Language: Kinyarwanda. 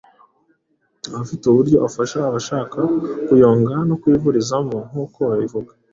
aba afite uburyo afasha abashaka kuyoga no kuyivurizamo nkuko babivuga.”